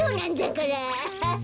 アハハ。